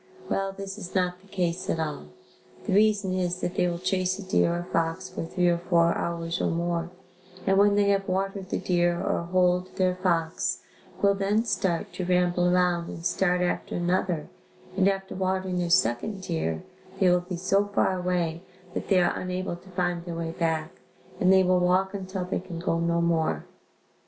Well, this is not the case at all. The reason is that they will chase a deer or fox for three or four hours or more and when they have watered the deer or holed their fox, will then start to ramble around and start after another and after watering their second deer, they will be so far away that they are unable to find their way back, and they will walk until they can go no more.